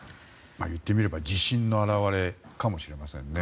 言ってみれば自信の表れかもしれませんね。